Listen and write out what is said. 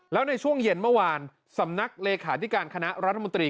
แล้วในช่วงเย็นเมื่อวานสำนักเลขาธิการคณะรัฐมนตรี